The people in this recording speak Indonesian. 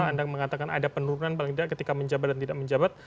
anda mengatakan ada penurunan paling tidak ketika menjabat dan tidak menjabat